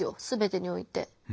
すべてにおいて。